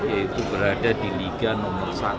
yaitu berada di liga nomor satu